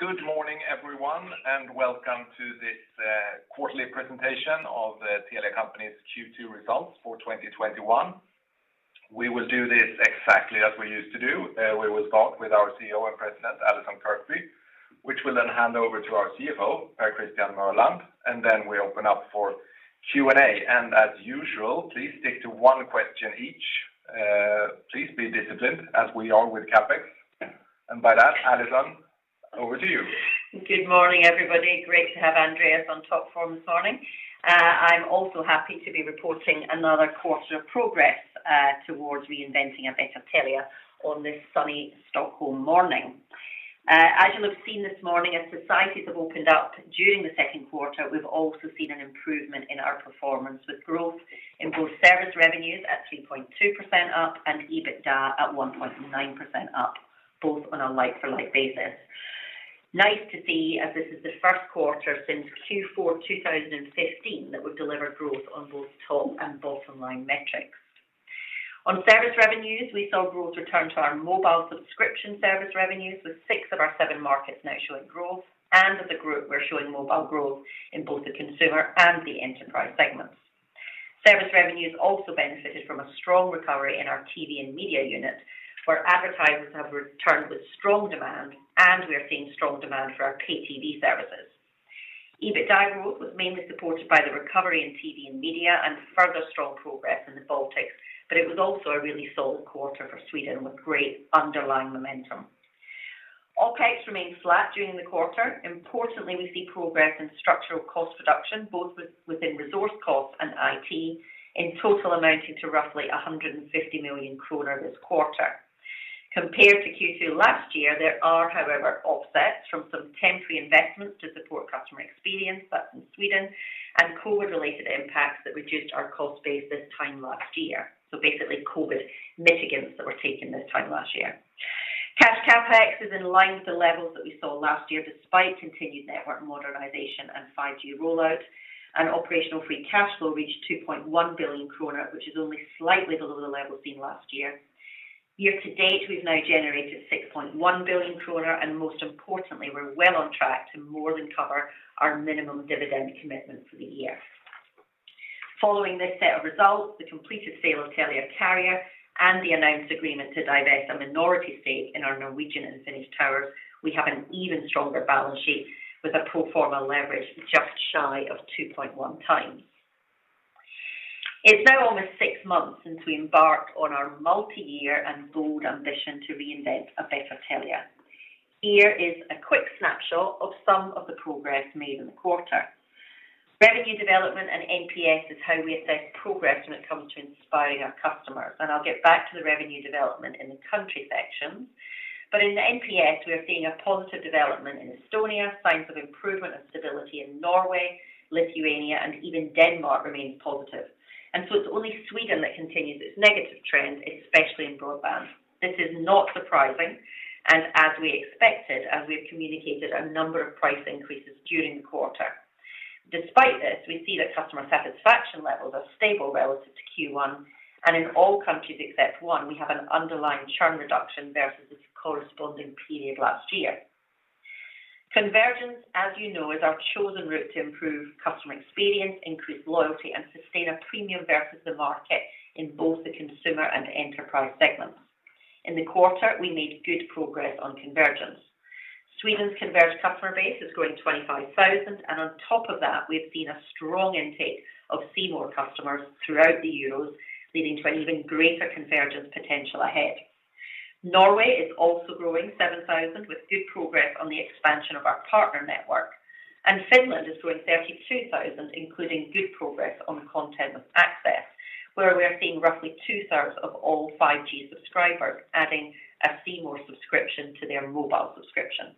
Good morning everyone, welcome to this quarterly presentation of the Telia Company's Q2 results for 2021. We will do this exactly as we used to do. We will start with our CEO and President, Allison Kirkby, which will then hand over to our CFO, Per Christian Mørland, and then we open up for Q&A. As usual, please stick to 1 question each. Please be disciplined as we are with CapEx. By that, Allison, over to you. Good morning, everybody. Great to have Andreas on top form this morning. I am also happy to be reporting another quarter of progress towards reinventing a better Telia on this sunny Stockholm morning. As you will have seen this morning, as societies have opened up during the second quarter, we have also seen an improvement in our performance, with growth in both service revenues at 2.2% up and EBITDA at 1.9% up, both on a like-for-like basis. Nice to see, as this is the first quarter since Q4 2015 that we have delivered growth on both top and bottom-line metrics. On service revenues, we saw growth return to our mobile subscription service revenues, with six of our seven markets now showing growth. As a group, we are showing mobile growth in both the consumer and the enterprise segments. Service revenues also benefited from a strong recovery in our TV and media unit, where advertisers have returned with strong demand, and we are seeing strong demand for our pay TV services. EBITDA growth was mainly supported by the recovery in TV and media and further strong progress in the Baltics, but it was also a really solid quarter for Sweden, with great underlying momentum. OpEx remained flat during the quarter. Importantly, we see progress in structural cost reduction, both within resource costs and IT, in total amounting to roughly 150 million kronor this quarter. Compared to Q2 last year, there are, however, offsets from some temporary investments to support customer experience, that's in Sweden, and COVID-related impacts that reduced our cost base this time last year. Basically, COVID mitigants that were taken this time last year. Cash CapEx is in line with the levels that we saw last year despite continued network modernization and 5G rollout. Operational free cash flow reached 2.1 billion kronor, which is only slightly below the level seen last year. Year to date, we've now generated 6.1 billion kronor, and most importantly, we're well on track to more than cover our minimum dividend commitment for the year. Following this set of results, the completed sale of Telia Carrier, and the announced agreement to divest a minority stake in our Norwegian Telia Towers, we have an even stronger balance sheet with a pro forma leverage just shy of 2.1 times. It's now almost 6 months since we embarked on our multi-year and bold ambition to reinvent a better Telia. Here is a quick snapshot of some of the progress made in the quarter. Revenue development and NPS is how we assess progress when it comes to inspiring our customers. I'll get back to the revenue development in the country section. In NPS, we are seeing a positive development in Estonia, signs of improvement and stability in Norway, Lithuania, and even Denmark remains positive. It's only Sweden that continues its negative trend, especially in broadband. This is not surprising, and as we expected, as we have communicated a number of price increases during the quarter. Despite this, we see that customer satisfaction levels are stable relative to Q1. In all countries except one, we have an underlying churn reduction versus the corresponding period last year. Convergence, as you know, is our chosen route to improve customer experience, increase loyalty, and sustain a premium versus the market in both the consumer and enterprise segments. In the quarter, we made good progress on convergence. Sweden's converged customer base is growing 25,000, on top of that, we've seen a strong intake of C More customers throughout the Euros, leading to an even greater convergence potential ahead. Norway is also growing 7,000 with good progress on the expansion of our partner network. Finland is growing 32,000 including good progress on content with access, where we are seeing roughly two-thirds of all 5G subscribers adding a C More subscription to their mobile subscription.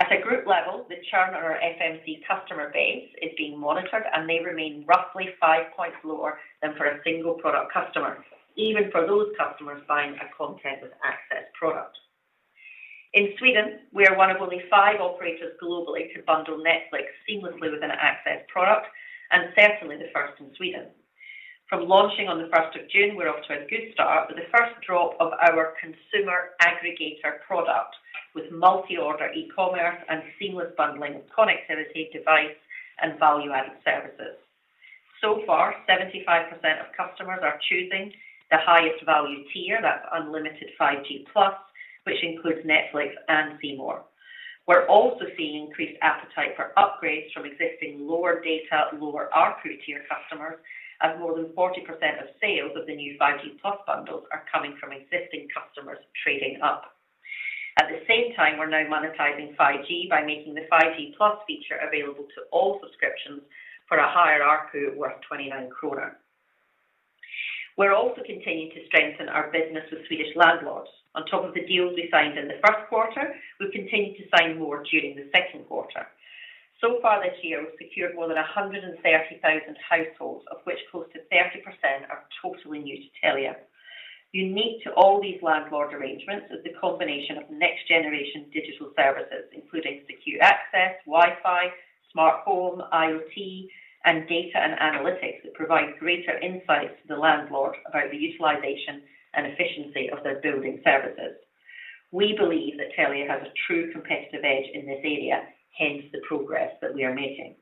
At a group level, the churn on our FMC customer base is being monitored, and they remain roughly five points lower than for a single-product customer, even for those customers buying a content with access product. In Sweden, we are one of only five operators globally to bundle Netflix seamlessly within an access product, certainly the first in Sweden. From launching on the 1st of June, we're off to a good start with the first drop of our consumer aggregator product with multi-order e-commerce and seamless bundling of connectivity, device, and value-added services. So far, 75% of customers are choosing the highest value tier, that's unlimited 5G+, which includes Netflix and C More. We're also seeing increased appetite for upgrades from existing lower data, lower ARPU tier customers, as more than 40% of sales of the new 5G+ bundles are coming from existing customers trading up. At the same time, we're now monetizing 5G by making the 5G+ feature available to all subscriptions for a higher ARPU worth 29 kronor. We're also continuing to strengthen our business with Swedish landlords. On top of the deals we signed in the first quarter, we've continued to sign more during the second quarter. Far this year, we've secured more than 130,000 households, of which close to 30% are totally new to Telia. Unique to all these landlord arrangements is the combination of next-generation digital services, including secure access, Wi-Fi, smart home, IoT, and data and analytics that provide greater insights to the landlord about the utilization and efficiency of their building services. We believe that Telia has a true competitive edge in this area, hence the progress that we are making.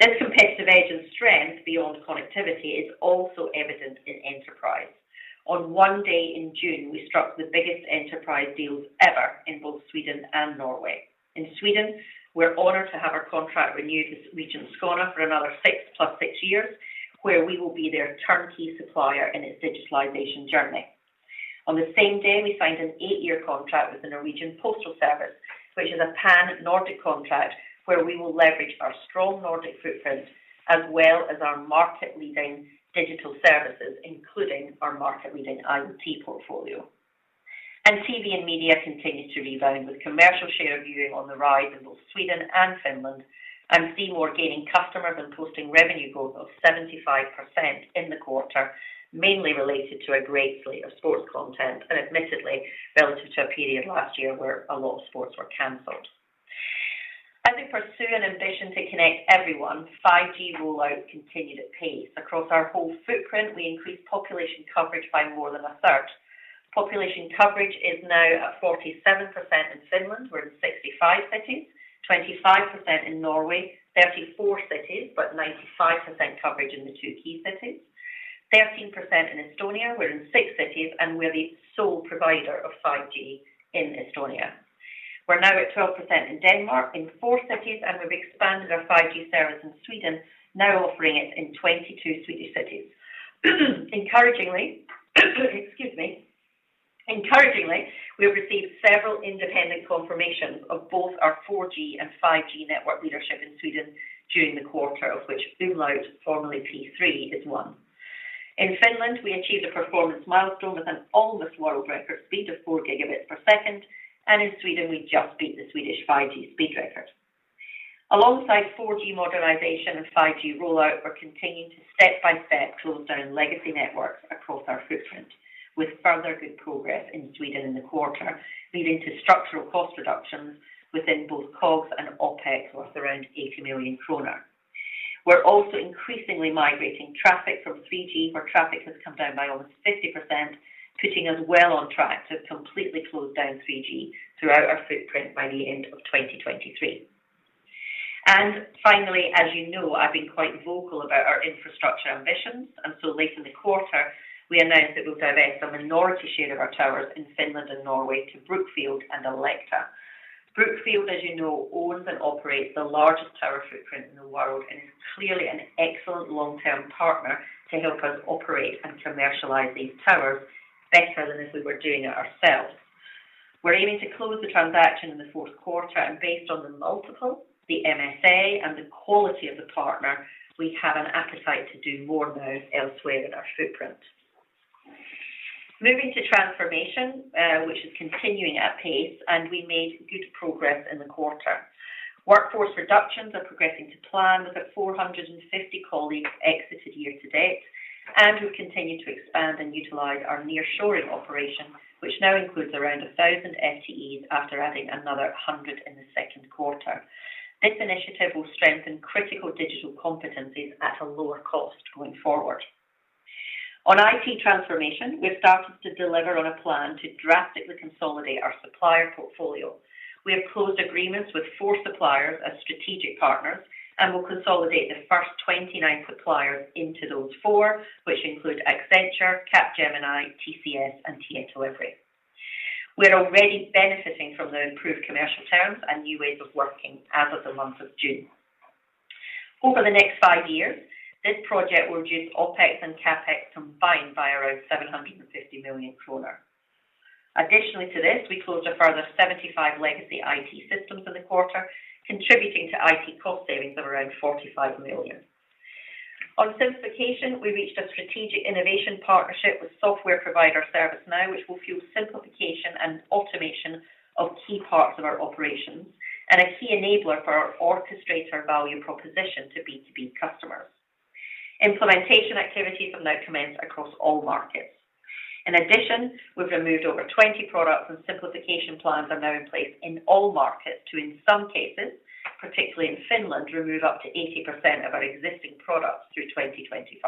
This competitive edge and strength beyond connectivity is also evident in enterprise. On one day in June, we struck the biggest enterprise deals ever in both Sweden and Norway. In Sweden, we're honored to have our contract renewed with Region Skåne for another six plus six years, where we will be their turnkey supplier in its digitalization journey. On the same day, we signed an 8-year contract with the Norwegian Postal Service, which is a pan-Nordic contract where we will leverage our strong Nordic footprint as well as our market-leading digital services, including our market-leading IoT portfolio. TV and media continued to rebound with commercial share viewing on the rise in both Sweden and Finland, and C More gaining customers and posting revenue growth of 75% in the quarter, mainly related to a great slate of sports content, and admittedly, relative to a period last year where a lot of sports were canceled. As we pursue an ambition to connect everyone, 5G rollout continued at pace. Across our whole footprint, we increased population coverage by more than a third. Population coverage is now at 47% in Finland, we're in 65 cities, 25% in Norway, 34 cities, but 95% coverage in the two key cities, 13% in Estonia, we're in 6 cities, and we're the sole provider of 5G in Estonia. We're now at 12% in Denmark in 4 cities, and we've expanded our 5G service in Sweden, now offering it in 22 Swedish cities. Encouragingly, we received several independent confirmations of both our 4G and 5G network leadership in Sweden during the quarter, of which umlaut, formerly P3, is one. In Finland, we achieved a performance milestone with an almost world record speed of 4 gigabits per second, and in Sweden, we just beat the Swedish 5G speed record. Alongside 4G modernization and 5G rollout, we're continuing to step-by-step close down legacy networks across our footprint with further good progress in Sweden in the quarter, leading to structural cost reductions within both COGS and OpEx worth around 80 million kronor. We're also increasingly migrating traffic from 3G, where traffic has come down by almost 50%, putting us well on track to have completely closed down 3G throughout our footprint by the end of 2023. Finally, as you know, I've been quite vocal about our infrastructure ambitions, so late in the quarter, we announced that we'll divest a minority share of our towers in Finland and Norway to Brookfield and Alecta. Brookfield, as you know, owns and operates the largest tower footprint in the world, is clearly an excellent long-term partner to help us operate and commercialize these towers better than if we were doing it ourselves. We're aiming to close the transaction in the fourth quarter. Based on the multiple, the MSA, and the quality of the partner, we have an appetite to do more now elsewhere in our footprint. Moving to transformation, which is continuing at pace. We made good progress in the quarter. Workforce reductions are progressing to plan with about 450 colleagues exited year to date. We've continued to expand and utilize our nearshoring operation, which now includes around 1,000 FTEs after adding another 100 in the second quarter. This initiative will strengthen critical digital competencies at a lower cost going forward. On IT transformation, we've started to deliver on a plan to drastically consolidate our supplier portfolio. We have closed agreements with four suppliers as strategic partners. We'll consolidate the first 29 suppliers into those four, which include Accenture, Capgemini, TCS, and Teleperformance. We're already benefiting from the improved commercial terms and new ways of working as of the month of June. Over the next five years, this project will reduce OpEx and CapEx combined by around 750 million kronor. Additionally to this, we closed a further 75 legacy IT systems in the quarter, contributing to IT cost savings of around 45 million. On simplification, we reached a strategic innovation partnership with software provider ServiceNow, which will fuel simplification and automation of key parts of our operations and a key enabler for our orchestrator value proposition to B2B customers. Implementation activities have now commenced across all markets. In addition, we've removed over 20 products, and simplification plans are now in place in all markets to, in some cases, particularly in Finland, remove up to 80% of our existing products through 2025.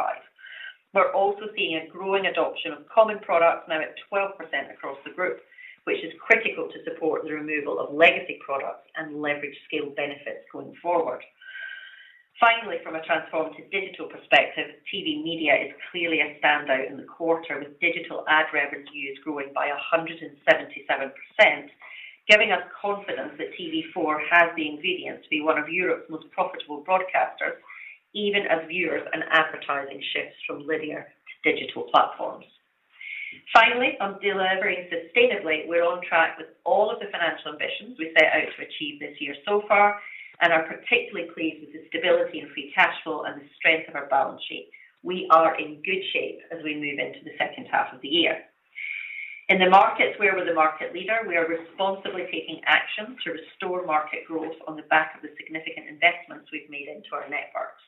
We're also seeing a growing adoption of common products now at 12% across the group, which is critical to support the removal of legacy products and leverage scale benefits going forward. Finally, from a transformative digital perspective, TV media is clearly a standout in the quarter with digital ad revenues growing by 177%, giving us confidence that TV4 has the ingredients to be one of Europe's most profitable broadcasters, even as viewers and advertising shifts from linear to digital platforms. Finally, on delivering sustainably, we're on track with all of the financial ambitions we set out to achieve this year so far and are particularly pleased with the stability in free cash flow and the strength of our balance sheet. We are in good shape as we move into the second half of the year. In the markets where we're the market leader, we are responsibly taking action to restore market growth on the back of the significant investments we've made into our networks.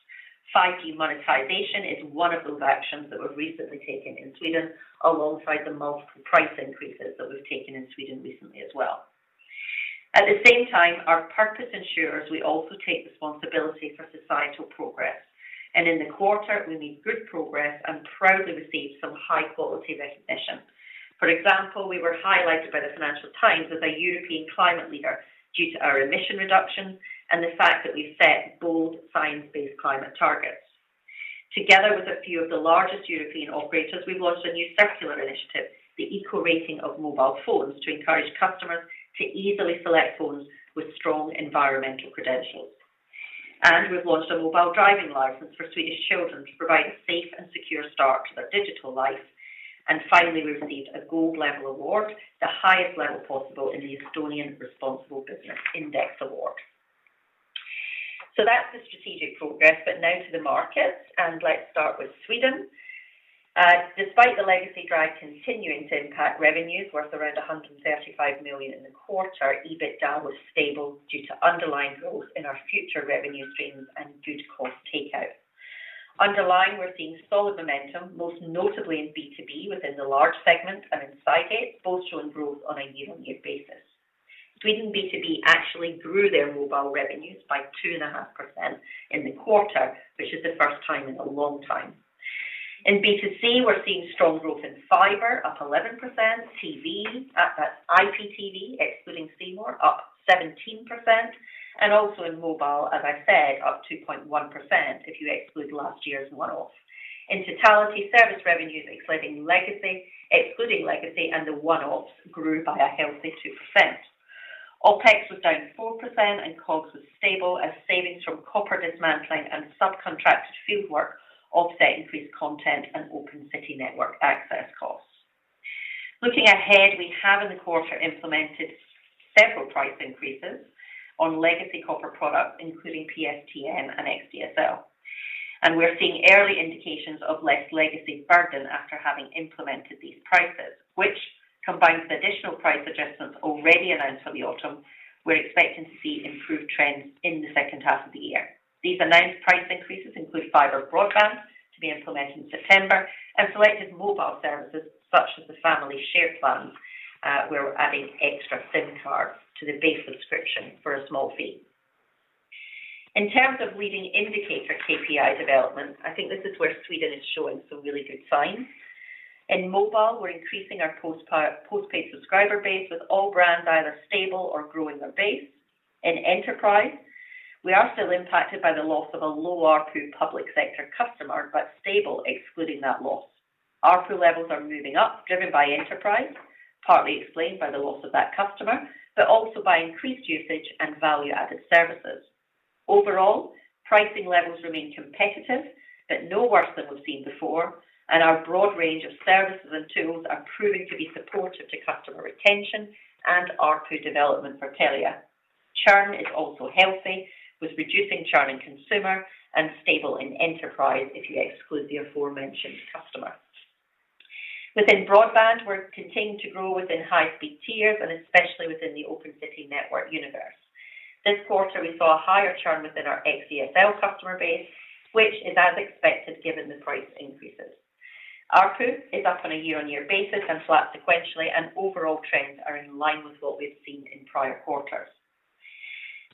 5G monetization is one of those actions that we've recently taken in Sweden alongside the multiple price increases that we've taken in Sweden recently as well. At the same time, our purpose ensures we also take responsibility for societal progress, and in the quarter, we made good progress and proudly received some high-quality recognition. For example, we were highlighted by the Financial Times as a European Climate Leader due to our emission reduction and the fact that we've set bold science-based climate targets. Together with a few of the largest European operators, we've launched a new circular initiative, the Eco Rating of mobile phones, to encourage customers to easily select phones with strong environmental credentials. We've launched a mobile driving license for Swedish children to provide a safe and secure start to their digital life. Finally, we received a gold-level award, the highest level possible in the Estonian Responsible Business Index Award. That's the strategic progress, but now to the markets, and let's start with Sweden. Despite the legacy drag continuing to impact revenues worth around 135 million in the quarter, EBITDA was stable due to underlying growth in our future revenue streams and good cost takeout. Underlying, we're seeing solid momentum, most notably in B2B within the large segment and in Cygate, both showing growth on a year-on-year basis. Sweden B2B actually grew their mobile revenues by 2.5% in the quarter, which is the first time in a long time. In B2C, we are seeing strong growth in fiber up 11%, TV, that is IPTV, excluding C More, up 17%, and also in mobile, as I said, up 2.1% if you exclude last year's one-off. In totality, service revenues excluding legacy and the one-offs grew by a healthy 2%. OpEx was down 4% and COGS was stable as savings from copper dismantling and subcontracted fieldwork offset increased content and Open City Network access costs. Looking ahead, we have in the quarter implemented several price increases on legacy copper products, including PSTN and xDSL. We are seeing early indications of less legacy burden after having implemented these prices, which combined with additional price adjustments already announced for the autumn, we are expecting to see improved trends in the second half of the year. These announced price increases include fiber broadband to be implemented in September and selected mobile services such as the family share plans, where we're adding extra SIM cards to the base subscription for a small fee. In terms of leading indicator KPI developments, I think this is where Sweden is showing some really good signs. In mobile, we're increasing our postpaid subscriber base with all brands either stable or growing their base. In Enterprise, we are still impacted by the loss of a low ARPU public sector customer, but stable excluding that loss. ARPU levels are moving up, driven by Enterprise, partly explained by the loss of that customer, but also by increased usage and value-added services. Overall, pricing levels remain competitive, but no worse than we've seen before, and our broad range of services and tools are proving to be supportive to customer retention and ARPU development for Telia. Churn is also healthy, with reducing churn in consumer and stable in Enterprise if you exclude the aforementioned customer. Within broadband, we're continuing to grow within high-speed tiers and especially within the Open City Network universe. This quarter, we saw a higher churn within our xDSL customer base, which is as expected given the price increases. ARPU is up on a year-on-year basis and flat sequentially, and overall trends are in line with what we've seen in prior quarters.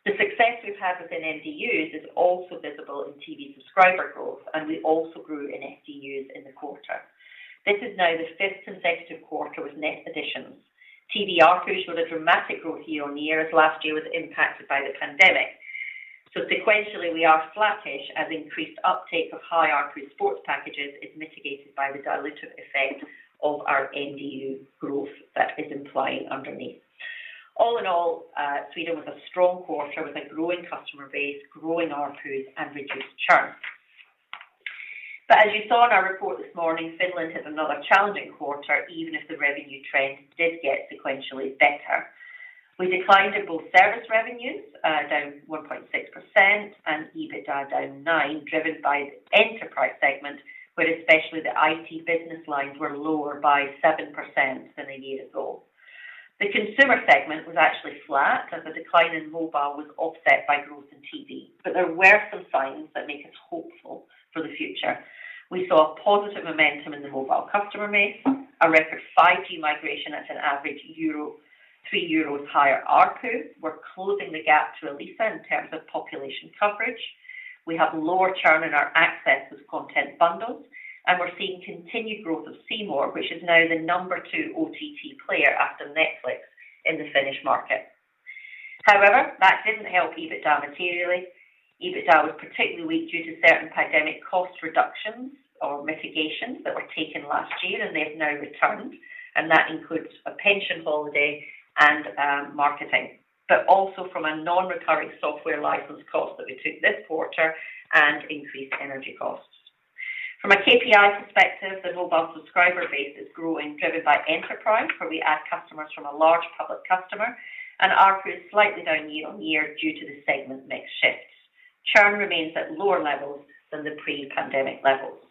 The success we've had within MDUs is also visible in TV subscriber growth, and we also grew in SDUs in the quarter. This is now the fifth consecutive quarter with net additions. TV ARPUs show a dramatic growth year-on-year, as last year was impacted by the pandemic. Sequentially, we are flattish as increased uptake of high ARPU sports packages is mitigated by the dilutive effect of our MDU growth that is implying underneath. All in all, Sweden was a strong quarter with a growing customer base, growing ARPUs, and reduced churn. As you saw in our report this morning, Finland had another challenging quarter, even if the revenue trend did get sequentially better. We declined in both service revenues, down 1.6%, and EBITDA down 9, driven by the Enterprise segment, where especially the IT business lines were lower by 7% than a year ago. The Consumer segment was actually flat as the decline in mobile was offset by growth in TV. There were some signs that make us hopeful for the future. We saw positive momentum in the mobile customer base, a record 5G migration at an average 3 euros higher ARPU. We're closing the gap to Elisa in terms of population coverage. We have lower churn in our access with content bundles, and we're seeing continued growth of C More, which is now the number 2 OTT player after Netflix in the Finnish market. That didn't help EBITDA materially. EBITDA was particularly weak due to certain pandemic cost reductions or mitigations that were taken last year, and they've now returned, and that includes a pension holiday and marketing, but also from a non-recurring software license cost that we took this quarter and increased energy costs. From a KPI perspective, the mobile subscriber base is growing, driven by Enterprise, where we add customers from a large public customer and ARPU is slightly down year-over-year due to the segment mix shifts. Churn remains at lower levels than the pre-pandemic levels.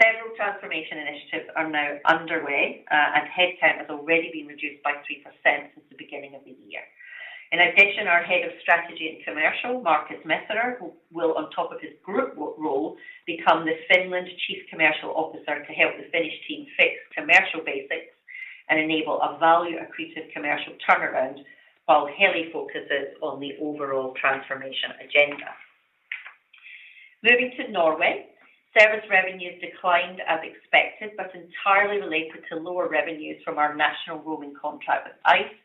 Several transformation initiatives are now underway, and headcount has already been reduced by 3% since the beginning of the year. In addition, our head of Strategy and Commercial, Markus Messerer, will on top of his group role, become the Finland Chief Commercial Officer to help the Finnish team fix commercial basics and enable a value-accretive commercial turnaround while Heli focuses on the overall transformation agenda. Moving to Norway. Service revenues declined as expected, but entirely related to lower revenues from our national roaming contract with ICE,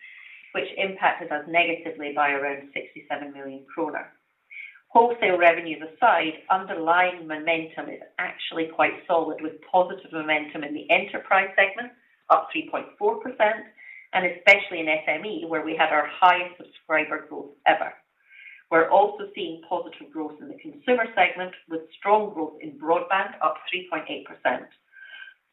which impacted us negatively by around 67 million kroner. Wholesale revenues aside, underlying momentum is actually quite solid with positive momentum in the enterprise segment, up 3.4%, and especially in SME, where we had our highest subscriber growth ever. We're also seeing positive growth in the consumer segment, with strong growth in broadband, up 3.8%.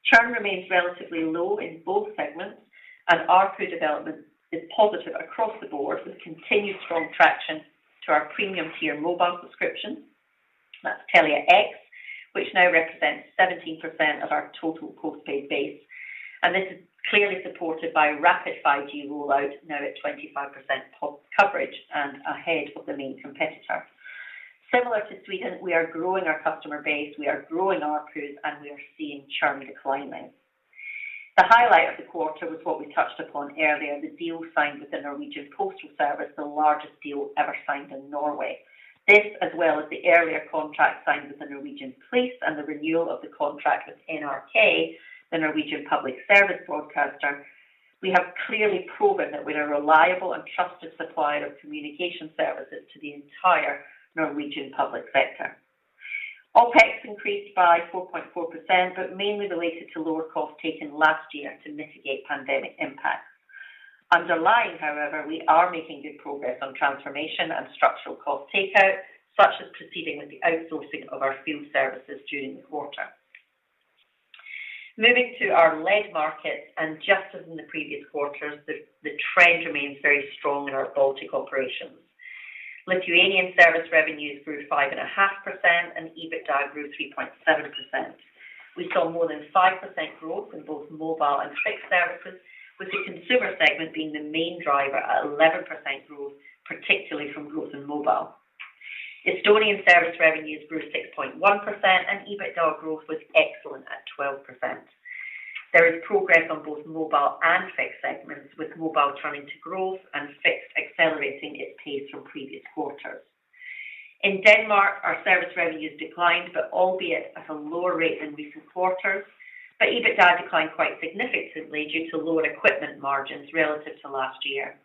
Churn remains relatively low in both segments, and ARPU development is positive across the board, with continued strong traction to our premium-tier mobile subscription. That's Telia X, which now represents 17% of our total postpaid base, and this is clearly supported by rapid 5G rollout, now at 25% pop coverage and ahead of the main competitor. Similar to Sweden, we are growing our customer base, we are growing ARPUs, and we are seeing churn declining. The highlight of the quarter was what we touched upon earlier, the deal signed with the Norwegian Postal Service, the largest deal ever signed in Norway. This, as well as the earlier contract signed with the Norwegian Police and the renewal of the contract with NRK, the Norwegian public service broadcaster. We have clearly proven that we are a reliable and trusted supplier of communication services to the entire Norwegian public sector. OpEx increased by 4.4%, mainly related to lower costs taken last year to mitigate pandemic impacts. Underlying, however, we are making good progress on transformation and structural cost takeout, such as proceeding with the outsourcing of our field services during the quarter. Moving to our lead markets, just as in the previous quarters, the trend remains very strong in our Baltic operations. Lithuanian service revenues grew 5.5%, EBITDA grew 3.7%. We saw more than 5% growth in both mobile and fixed services, with the consumer segment being the main driver at 11% growth, particularly from growth in mobile. Estonian service revenues grew 6.1%, EBITDA growth was excellent at 12%. There is progress on both mobile and fixed segments, with mobile turning to growth and fixed accelerating its pace from previous quarters. In Denmark, our service revenues declined, albeit at a lower rate than recent quarters. EBITDA declined quite significantly due to lower equipment margins relative to last year.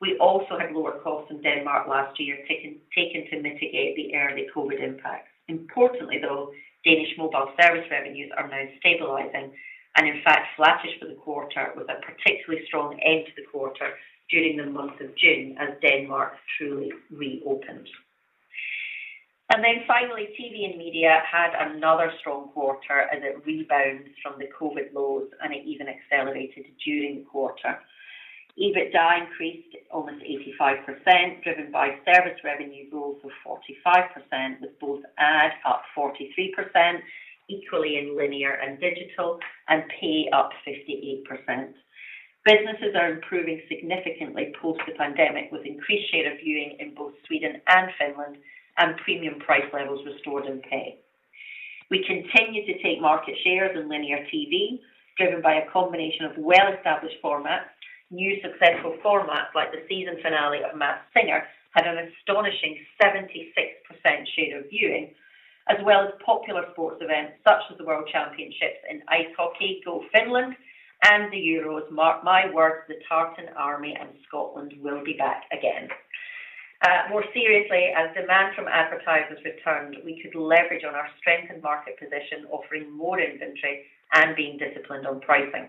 We also had lower costs in Denmark last year taken to mitigate the early COVID impacts. Importantly, though, Danish mobile service revenues are now stabilizing and, in fact, flattish for the quarter, with a particularly strong end to the quarter during the month of June as Denmark truly reopened. Finally, TV and media had another strong quarter as it rebounds from the COVID lows, and it even accelerated during the quarter. EBITDA increased almost 85%, driven by service revenue growth of 45%, with both ad up 43%, equally in linear and digital, and pay up 58%. Businesses are improving significantly post the pandemic, with increased share of viewing in both Sweden and Finland and premium price levels restored in pay. We continue to take market shares in linear TV, driven by a combination of well-established formats, new successful formats like the season finale of "Masked Singer" had an astonishing 76% share of viewing, as well as popular sports events such as the World Championships in ice hockey. Go Finland. The Euros. Mark my words, the Tartan Army and Scotland will be back again. More seriously, as demand from advertisers returned, we could leverage on our strength and market position, offering more inventory and being disciplined on pricing.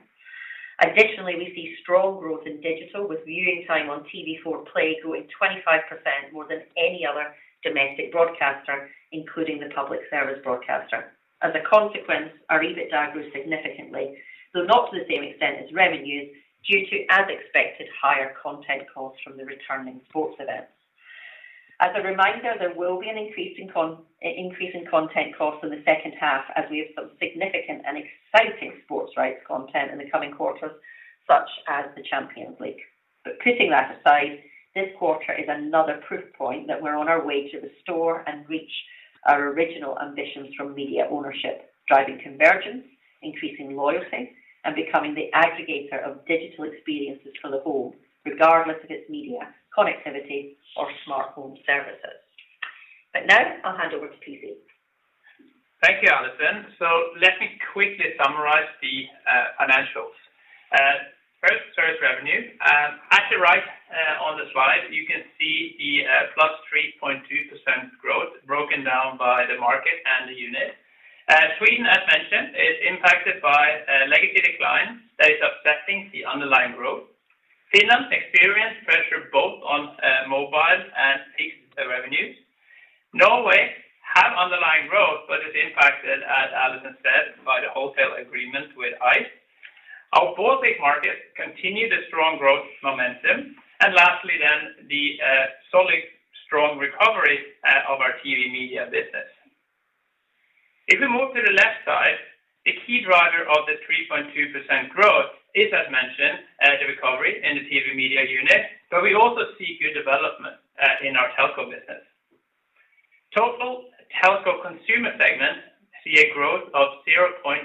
Additionally, we see strong growth in digital, with viewing time on TV4 Play growing 25%, more than any other domestic broadcaster, including the public service broadcaster. As a consequence, our EBITDA grew significantly, though not to the same extent as revenues due to, as expected, higher content costs from the returning sports events. As a reminder, there will be an increase in content costs in the second half as we have some significant and exciting sports rights content in the coming quarters, such as the Champions League. Putting that aside, this quarter is another proof point that we're on our way to restore and reach our original ambitions from media ownership, driving convergence, increasing loyalty, and becoming the aggregator of digital experiences for the home, regardless if it's media, connectivity, or smart home services. Now I'll hand over to PC. Thank you, Allison. Let me quickly summarize the financials. First, service revenue. Actually, right on the slide, you can see the +3.2% growth broken down by the market and the unit. Sweden, as mentioned, is impacted by a legacy decline that is offsetting the underlying growth. Finland experienced pressure both on mobile and fixed revenues. Norway had underlying growth, but is impacted, as Allison said, by the wholesale agreement with ICE. Our Baltic markets continue the strong growth momentum. Lastly then, the solid strong recovery of our TV media business. If we move to the left side, the key driver of the 3.2% growth is, as mentioned, the recovery in the TV media unit, but we also see good development in our telco business. Total Telco consumer segments see a growth of 0.5%.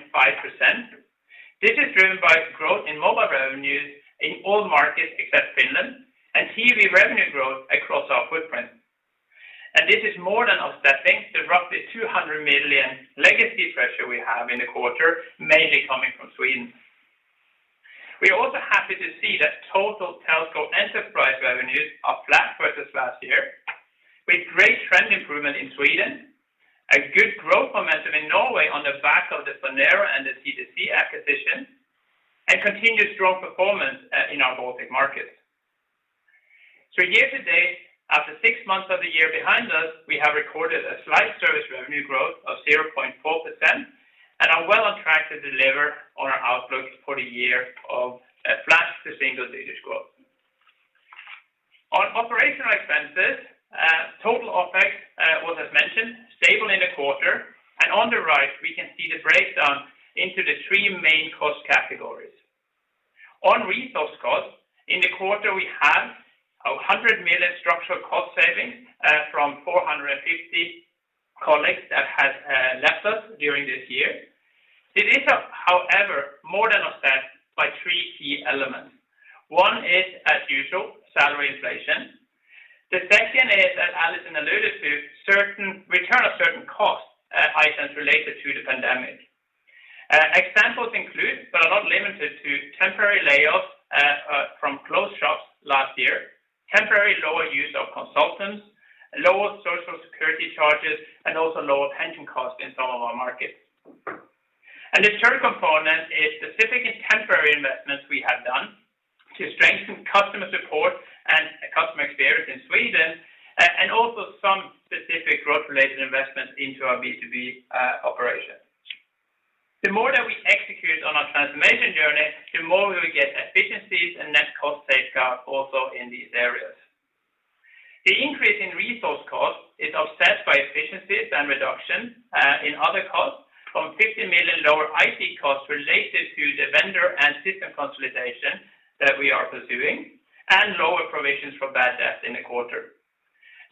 This is driven by growth in mobile revenues in all markets except Finland and TV revenue growth across our footprint. This is more than offsetting the roughly 200 million legacy pressure we have in the quarter, mainly coming from Sweden. We are also happy to see that total Telco enterprise revenues are flat versus last year, with great trend improvement in Sweden, a good growth momentum in Norway on the back of the Phonero and the TDC acquisition, and continued strong performance in our Baltic markets. Year to date, after six months of the year behind us, we have recorded a slight service revenue growth of 0.4% and are well on track to deliver on our outlook for the year of flat to single-digits growth. On operational expenses, total OpEx, was as mentioned, stable in the quarter. On the right, we can see the breakdown into the 3 main cost categories. On resource costs, in the quarter, we have 100 million structural cost savings from 450 colleagues that have left us during this year. This is, however, more than offset by 3 key elements. One is, as usual, salary inflation. The second is, as Allison alluded to, return of certain costs items related to the pandemic. Examples include, but are not limited to temporary layoffs from closed shops last year, temporary lower use of consultants, lower social security charges, and also lower pension costs in some of our markets. The third component is specific and temporary investments we have done to strengthen customer support and customer experience in Sweden, and also some specific growth-related investments into our B2B operation. The more that we execute on our transformation journey, the more we will get efficiencies and net cost safeguards also in these areas. The increase in resource costs is offset by efficiencies and reduction in other costs from 50 million lower IT costs related to the vendor and system consolidation that we are pursuing, and lower provisions for bad debt in the quarter.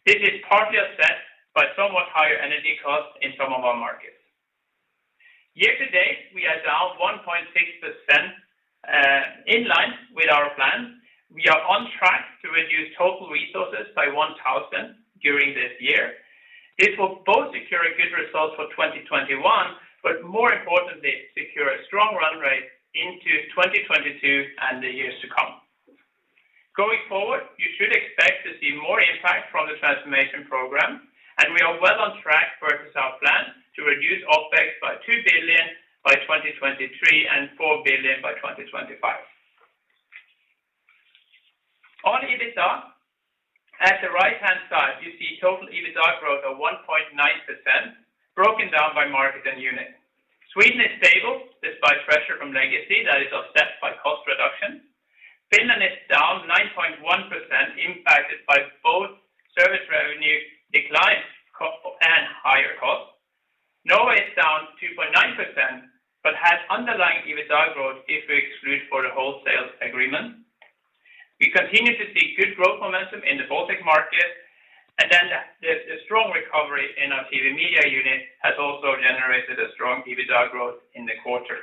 This is partly offset by somewhat higher energy costs in some of our markets. Year to date, we are down 1.6% in line with our plan. We are on track to reduce total resources by 1,000 during this year. This will both secure a good result for 2021, but more importantly, secure a strong run rate into 2022 and the years to come. Going forward, you should expect to see more impact from the transformation program. We are well on track versus our plan to reduce OpEx by 2 billion by 2023 and 4 billion by 2025. On EBITDA, at the right-hand side, you see total EBITDA growth of 1.9%, broken down by market and unit. Sweden is stable, despite pressure from legacy that is offset by cost reduction. Finland is down 9.1%, impacted by both service revenue declines and higher costs. Norway is down 2.9%, but has underlying EBITDA growth if we exclude for the wholesale agreement. We continue to see good growth momentum in the Baltic market. The strong recovery in our TV media unit has also generated a strong EBITDA growth in the quarter.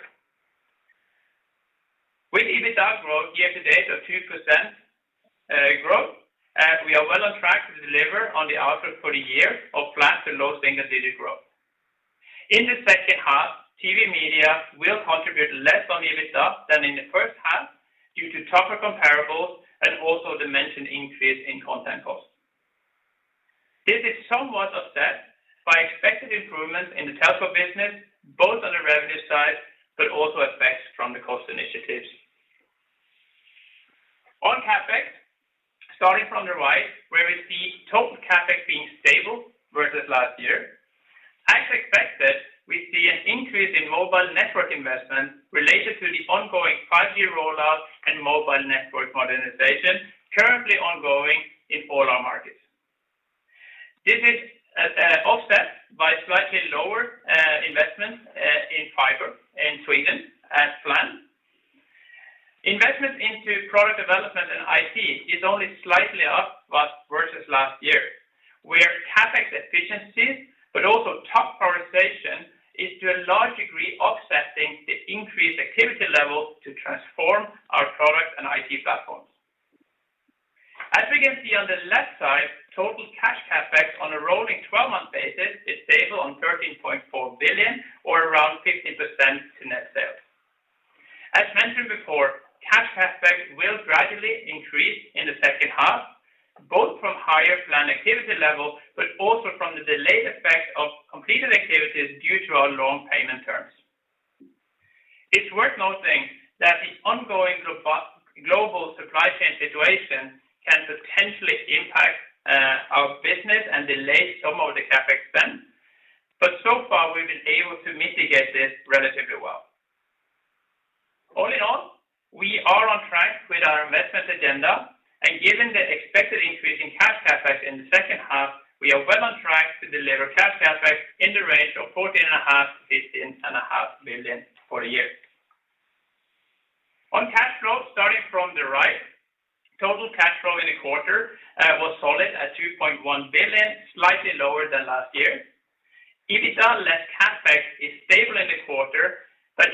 With EBITDA growth year to date of 2% growth, we are well on track to deliver on the outlook for the year of flat to low single-digit growth. In the second half, TV media will contribute less on EBITDA than in the first half due to tougher comparables and also the mentioned increase in content costs. This is somewhat offset by expected improvements in the Telco business, both on the revenue side, but also effects from the cost initiatives. On CapEx, starting from the right, where we see total CapEx being stable versus last year. As expected, we see an increase in mobile network investment related to the ongoing 5G rollout and mobile network modernization currently ongoing in all our markets. This is offset by slightly lower investment in fiber in Sweden as planned. Investment into product development and IT is only slightly up versus last year, where CapEx efficiencies, also tough prioritization is to a large degree offsetting the increased activity level to transform our product and IT platforms. As we can see on the left side, total cash CapEx on a rolling 12-month basis is stable on 13.4 billion or around 15% to net sales. As mentioned before, cash CapEx will gradually increase in the second half, both from higher planned activity level, also from the delayed effect of completed activities due to our long payment terms. It's worth noting that the ongoing global supply chain situation can potentially impact our business and delay some of the CapEx spend, so far, we've been able to mitigate this relatively well. All in all, we are on track with our investment agenda. Given the expected increase in cash CapEx in the second half, we are well on track to deliver cash CapEx in the range of 14.5 billion-15.5 billion for the year. Total cash flow in the quarter was solid at 2.1 billion, slightly lower than last year. EBITDA less CapEx is stable in the quarter,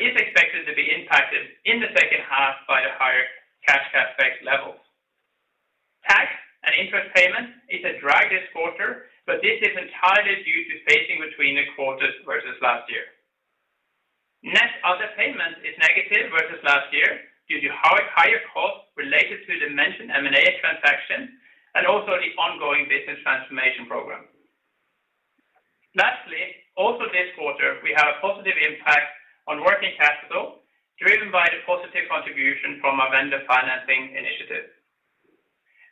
is expected to be impacted in the second half by the higher cash CapEx levels. Tax and interest payment is a drag this quarter. This is entirely due to spacing between the quarters versus last year. Net other payments is negative versus last year due to higher costs related to the mentioned M&A transaction and also the ongoing business transformation program. Also this quarter, we have a positive impact on working capital, driven by the positive contribution from our vendor financing initiative.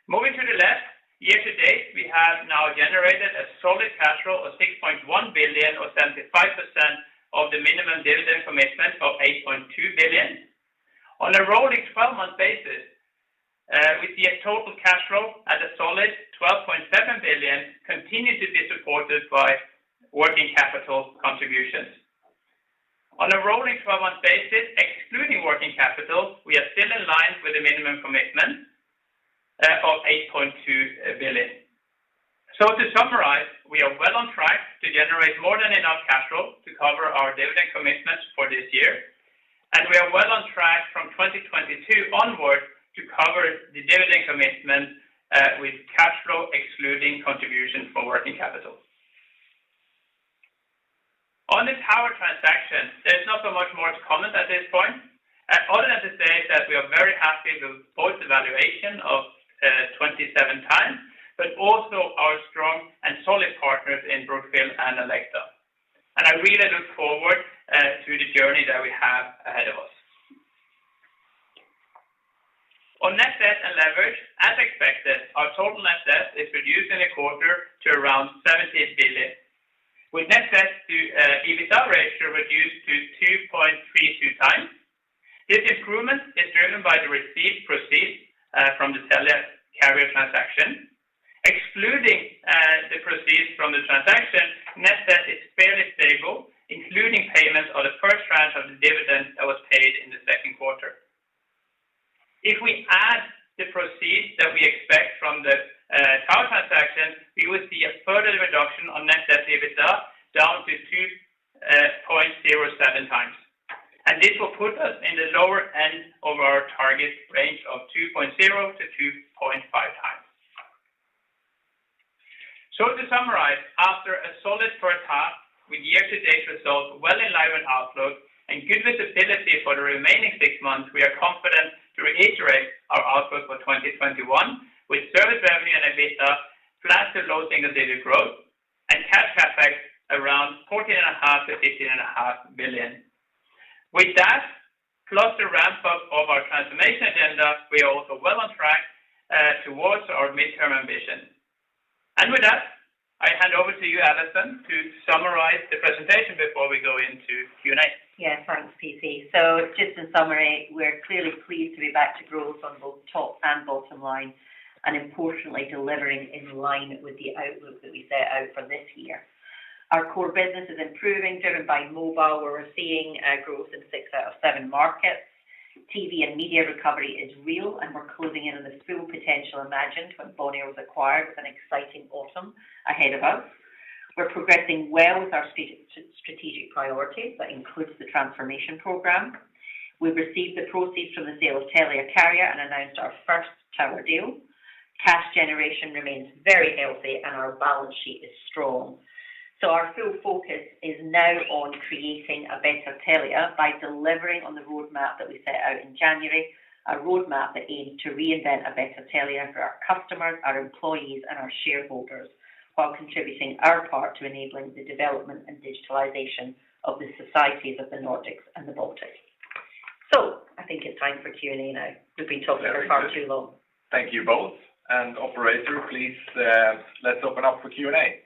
Moving to the left, year-to-date, we have now generated a solid cash flow of 6.1 billion or 75% of the minimum dividend commitment of 8.2 billion. On a rolling 12-month basis, we see a total cash flow at a solid 12.7 billion, continue to be supported by working capital contributions. On a rolling 12-month basis, excluding working capital, we are still in line with the minimum commitment of 8.2 billion. To summarize, we are well on track to generate more than enough cash flow to cover our dividend commitments for this year, and we are well on track from 2022 onward to cover the dividend commitment with cash flow excluding contribution from working capital. On the tower transaction, there's not so much more to comment at this point. Other than to say is that we are very happy with both the valuation of 27 times, but also our strong and solid partners in Brookfield and Alecta. I really look forward to the journey that we have ahead of us. On net debt and leverage, as expected, our total net debt is reduced in the quarter to around 17 billion. With net debt to EBITDA ratio reduced to 2.32 times. This improvement is driven by the received proceeds from the Telia Carrier transaction. Excluding the proceeds from the transaction, net debt is fairly stable, including payments on the first tranche of the dividend that was paid in the second quarter. If we add the proceeds that we expect from the tower transaction, we would see a further reduction on net debt to EBITDA, down to 2.07 times. This will put us in the lower end of our target range of 2.0-2.5 times. To summarize, after a solid first half with year-to-date results well in line with outlook and good visibility for the remaining 6 months, we are confident to reiterate our outlook for 2021, with service revenue and EBITDA, flat to low single-digit growth and CapEx around 14.5 billion-15.5 billion. With that, plus the ramp-up of our transformation agenda, we are also well on track towards our midterm ambition. With that, I hand over to you, Allison, to summarize the presentation before we go into Q&A. Thanks, PC. Just in summary, we're clearly pleased to be back to growth on both top and bottom line, and importantly, delivering in line with the outlook that we set out for this year. Our core business is improving, driven by mobile, where we're seeing growth in 6 out of 7 markets. TV and media recovery is real, and we're closing in on the full potential imagined when Bonnier was acquired with an exciting autumn ahead of us. We're progressing well with our strategic priorities, that includes the transformation program. We've received the proceeds from the sale of Telia Carrier and announced our first tower deal. Cash generation remains very healthy, and our balance sheet is strong. Our full focus is now on creating a better Telia by delivering on the roadmap that we set out in January. A roadmap that aimed to reinvent a better Telia for our customers, our employees, and our shareholders, while contributing our part to enabling the development and digitalization of the societies of the Nordics and the Baltics. I think it's time for Q&A now. We've been talking for far too long. Thank you both. Operator, please, let's open up for Q&A.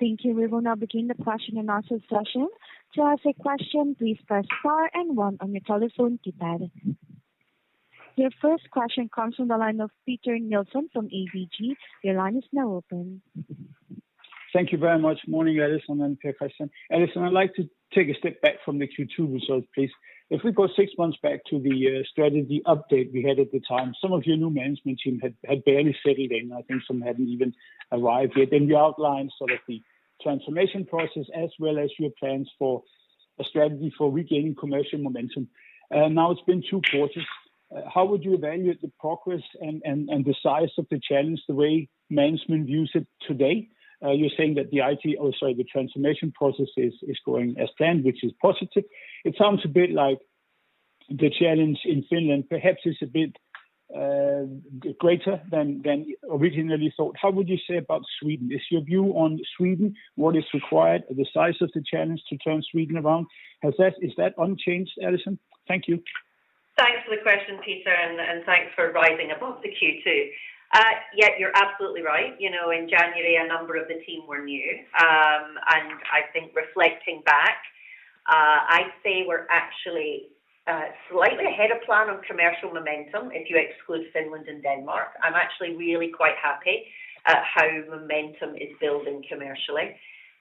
Thank you. We will now begin the question and answer session. To ask a question, please press star 1 on your telephone keypad. Your first question comes from the line of Peter Nielsen from ABG. Your line is now open. Thank you very much. Morning, Allison and Per Christian Mørland. Allison, I'd like to take a step back from the Q2 results, please. If we go six months back to the strategy update we had at the time, some of your new management team had barely settled in. I think some hadn't even arrived yet. You outlined sort of the transformation process as well as your plans for a strategy for regaining commercial momentum. Now it's been two quarters. How would you evaluate the progress and the size of the challenge the way management views it today? You're saying that the IT, oh sorry, the transformation process is going as planned, which is positive. It sounds a bit like the challenge in Finland perhaps is a bit greater than originally thought. How would you say about Sweden? Is your view on Sweden, what is required, the size of the challenge to turn Sweden around? Is that unchanged, Allison? Thank you. Thanks for the question, Peter, and thanks for rising above the Q2. Yeah, you're absolutely right. In January, a number of the team were new. I think reflecting back, I'd say we're actually slightly ahead of plan on commercial momentum if you exclude Finland and Denmark. I'm actually really quite happy at how momentum is building commercially.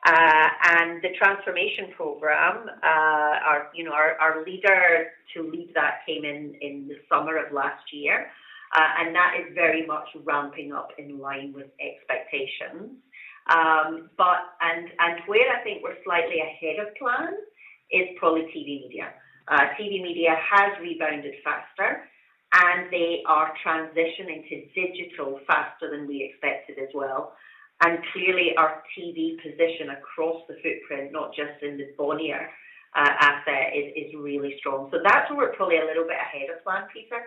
The transformation program, our leader to lead that came in the summer of last year, and that is very much ramping up in line with expectations. Where I think we're slightly ahead of plan is probably TV media. TV media has rebounded faster, and they are transitioning to digital faster than we expected as well. Clearly our TV position across the footprint, not just in the Bonnier asset, is really strong. That's where we're probably a little bit ahead of plan, Peter.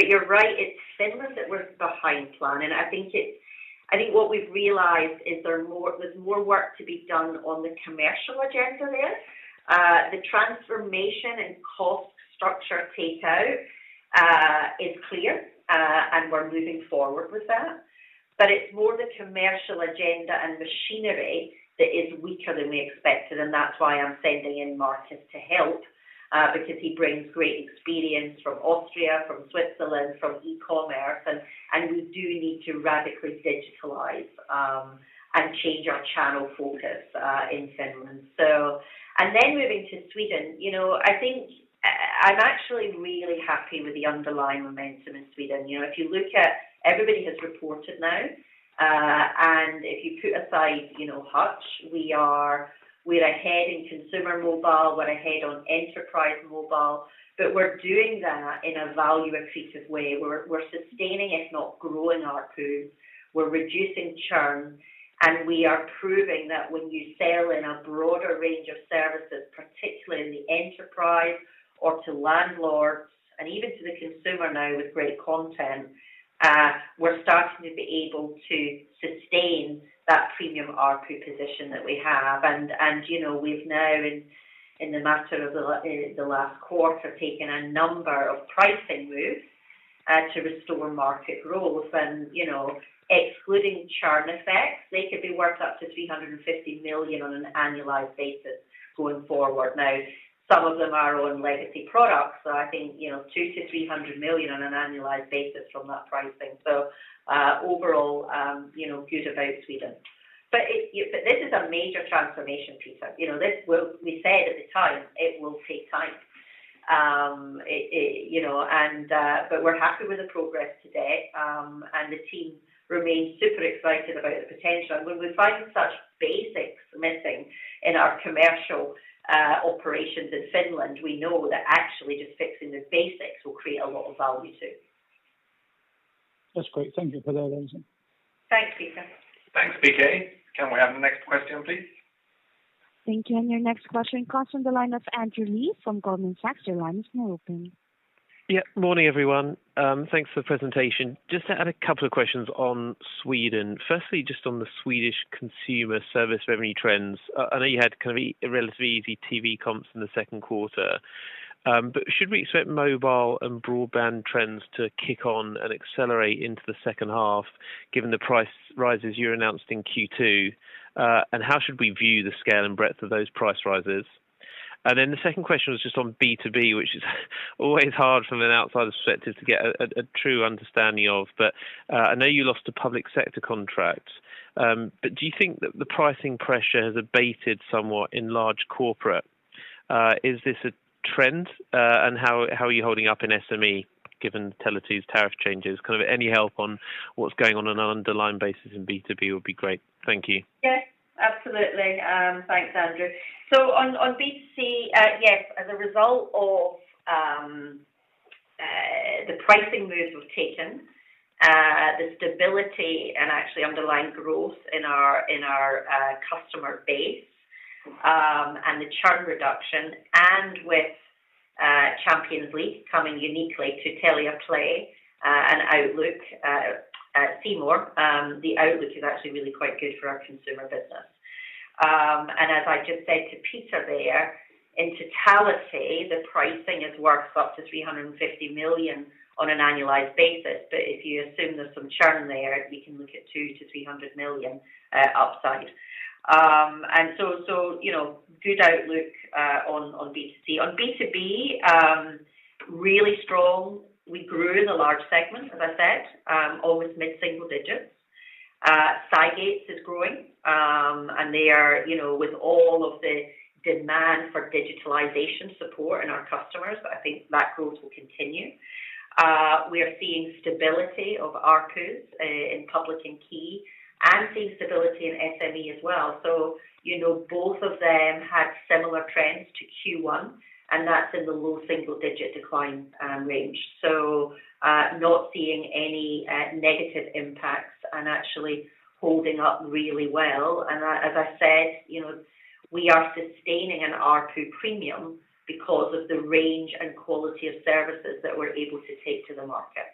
You're right, it's Finland that we're behind plan. I think what we've realized is there's more work to be done on the commercial agenda there. The transformation and cost structure takeout is clear, and we're moving forward with that. It's more the commercial agenda and machinery that is weaker than we expected, and that's why I'm sending in Markus to help, because he brings great experience from Austria, from Switzerland, from e-commerce, and we do need to radically digitalize and change our channel focus in Finland. Moving to Sweden, I think I'm actually really happy with the underlying momentum in Sweden. If you look at everybody who's reported now, and if you put aside Hutch, we are ahead in consumer mobile, we're ahead on enterprise mobile, but we're doing that in a value-accretive way. We're sustaining, if not growing our ARPU, we're reducing churn, and we are proving that when you sell in a broader range of services, particularly in the enterprise or to landlords, and even to the consumer now with great content, we're starting to be able to sustain that premium ARPU position that we have. We've now, in the matter of the last quarter, taken a number of pricing moves to restore market growth. Excluding churn effects, they could be worth up to 350 million on an annualized basis going forward. Some of them are on legacy products, I think 200 million-300 million on an annualized basis from that pricing. Overall, good about Sweden. This is a major transformation, Peter. We said at the time it will take time. We're happy with the progress to date, and the team remains super excited about the potential. When we find such basics missing in our commercial operations in Finland, we know that actually just fixing the basics will create a lot of value too. That's great. Thank you for that, Lindsay. Thanks, Peter. Thanks, P.C. Can we have the next question, please? Thank you. Your next question comes from the line of Andrew Lee from Goldman Sachs. Your line is now open. Morning, everyone. Thanks for the presentation. Just had a couple of questions on Sweden. Firstly, just on the Swedish consumer service revenue trends. I know you had kind of relatively easy TV comps in the second quarter. Should we expect mobile and broadband trends to kick on and accelerate into the second half, given the price rises you announced in Q2? How should we view the scale and breadth of those price rises? The second question was just on B2B, which is always hard from an outsider's perspective to get a true understanding of. I know you lost a public sector contract. Do you think that the pricing pressure has abated somewhat in large corporate? Is this a trend? How are you holding up in SME, given Tele2's tariff changes? Kind of any help on what's going on on an underlying basis in B2B would be great. Thank you. Yeah, absolutely. Thanks, Andrew. On B2C, yes, as a result of the pricing moves we've taken, the stability and actually underlying growth in our customer base, and the churn reduction, and with Champions League coming uniquely to Telia Play and Outlook, C More, the outlook is actually really quite good for our consumer business. As I just said to Peter there, in totality, the pricing is worth up to 350 million on an annualized basis. If you assume there's some churn there, we can look at 200 million-300 million upside. Good outlook on B2C. On B2B, really strong. We grew in the large segment, as I said, always mid-single digits. Cygate is growing. And they are with all of the demand for digitalization support in our customers, but I think that growth will continue. We are seeing stability of ARPUs in public and key and seeing stability in SME as well. Both of them had similar trends to Q1, and that's in the low single-digit decline range. Not seeing any negative impacts and actually holding up really well. As I said, we are sustaining an ARPU premium because of the range and quality of services that we're able to take to the market.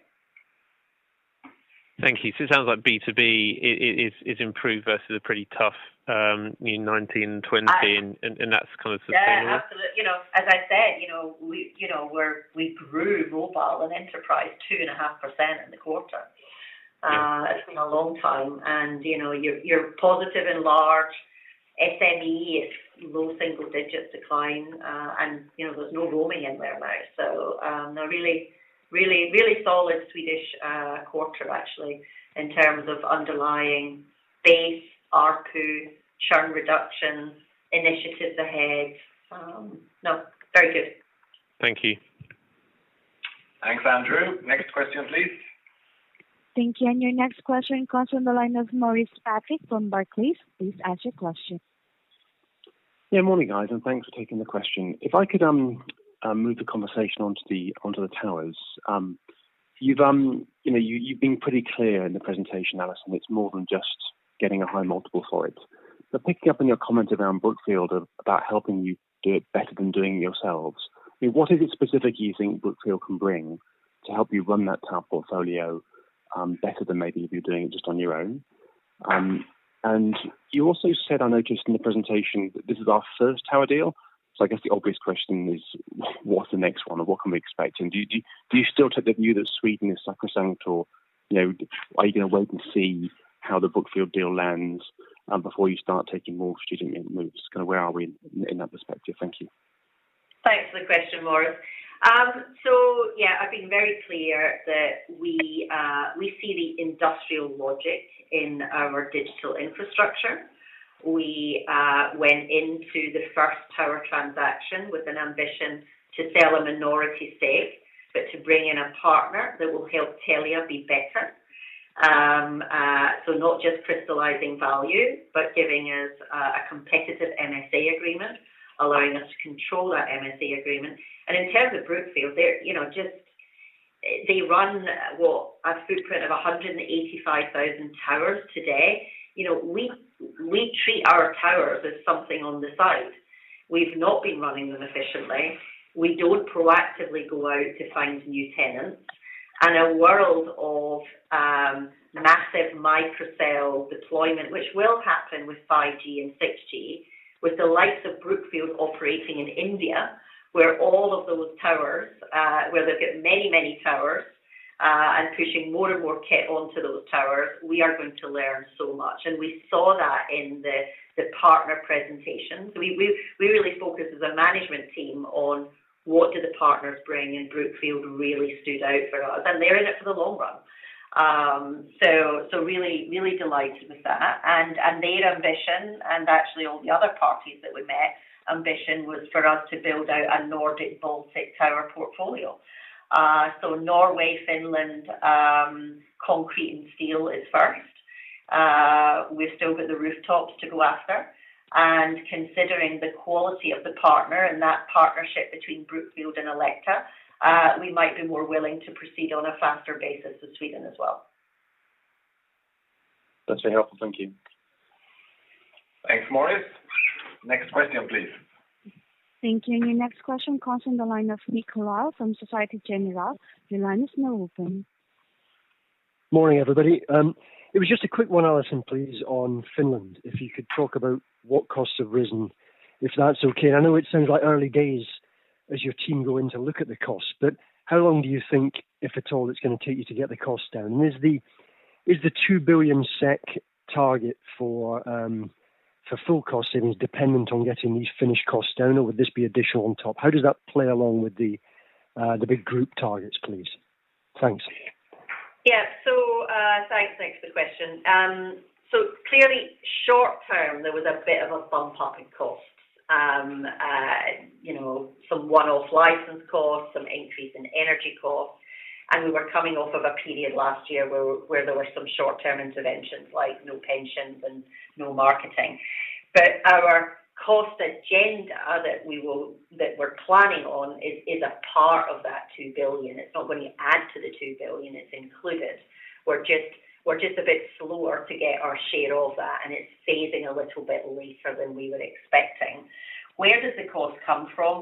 Thank you. It sounds like B2B is improved versus a pretty tough 2019 and 2020, and that's kind of sustainable. Yeah. As I said, we grew mobile and enterprise 2.5% in the quarter. Yeah. It's been a long time. You're positive in large. SME is low single-digit decline, there's no roaming in there now. A really solid Swedish quarter actually, in terms of underlying base, ARPU, churn reduction, initiatives ahead. No, very good. Thank you. Thanks, Andrew. Next question, please. Thank you. Your next question comes from the line of Maurice Patrick from Barclays. Please ask your question. Yeah, morning, guys. Thanks for taking the question. If I could move the conversation onto the towers. You've been pretty clear in the presentation, Allison, it's more than just getting a high multiple for it. Picking up on your comment around Brookfield, about helping you do it better than doing it yourselves, what is it specific you think Brookfield can bring to help you run that tower portfolio better than maybe if you're doing it just on your own? You also said, I noticed in the presentation, that this is our first tower deal. I guess the obvious question is what's the next one or what can we expect? Do you still take the view that Sweden is sacrosanct, or are you going to wait and see how the Brookfield deal lands before you start taking more strategic moves? Where are we in that perspective? Thank you. Thanks for the question, Maurice. Yeah, I've been very clear that we see the industrial logic in our digital infrastructure. We went into the first tower transaction with an ambition to sell a minority stake, but to bring in a partner that will help Telia be better. Not just crystallizing value, but giving us a competitive MSA agreement, allowing us to control that MSA agreement. In terms of Brookfield, they run a footprint of 185,000 towers today. We treat our towers as something on the side. We've not been running them efficiently. We don't proactively go out to find new tenants. A world of massive micro cell deployment, which will happen with 5G and 6G, with the likes of Brookfield operating in India, where they've got many towers, and pushing more and more kit onto those towers, we are going to learn so much. We saw that in the partner presentations. We really focus as a management team on what do the partners bring. Brookfield really stood out for us. They're in it for the long run. Really delighted with that, their ambition, actually all the other parties that we met, ambition was for us to build out a Nordic-Baltic tower portfolio. Norway, Finland, concrete and steel is first. We've still got the rooftops to go after. Considering the quality of the partner and that partnership between Brookfield and Alecta, we might be more willing to proceed on a faster basis with Sweden as well. That's very helpful. Thank you. Thanks, Maurice. Next question, please. Thank you. Your next question comes from the line of Nick Carlisle from Societe Generale. Your line is now open. Morning, everybody. It was just a quick one, Allison, please, on Finland. If you could talk about what costs have risen, if that's okay. I know it sounds like early days as your team go in to look at the costs, but how long do you think, if at all, it's going to take you to get the costs down? Is the 2 billion SEK target for full cost savings dependent on getting these Finnish costs down, or would this be additional on top? How does that play along with the big group targets, please? Thanks. Yeah. Thanks for the question. Clearly short term, there was a bit of a bump up in costs. Some one-off license costs, some increase in energy costs, and we were coming off of a period last year where there were some short-term interventions like no pensions and no marketing. Our cost agenda that we're planning on is a part of that 2 billion. It's not going to add to the 2 billion, it's included. We're just a bit slower to get our share of that, and it's phasing a little bit later than we were expecting. Where does the cost come from?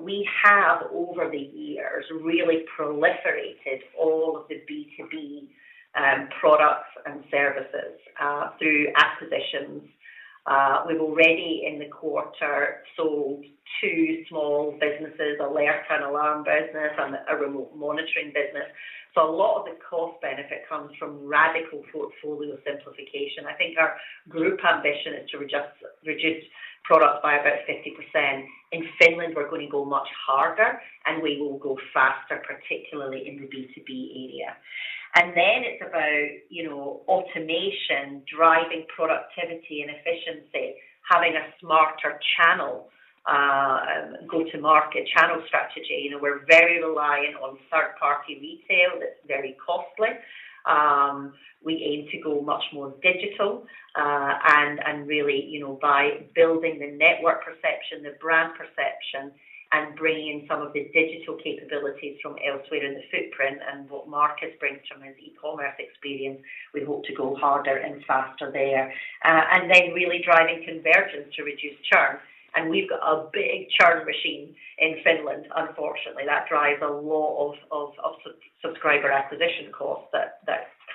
We have, over the years, really proliferated all of the B2B products and services through acquisitions. We've already in the quarter sold two small businesses, alert and alarm business and a remote monitoring business. A lot of the cost benefit comes from radical portfolio simplification. I think our group ambition is to reduce products by about 50%. In Finland, we're going to go much harder and we will go faster, particularly in the B2B area. Then it's about automation, driving productivity and efficiency, having a smarter channel, go-to-market channel strategy. We're very reliant on third-party retail that's very costly. We aim to go much more digital, and really by building the network perception, the brand perception, and bringing some of the digital capabilities from elsewhere in the footprint and what Markus brings from his e-commerce experience, we hope to go harder and faster there. Then really driving convergence to reduce churn, and we've got a big churn machine in Finland, unfortunately, that drives a lot of subscriber acquisition costs. That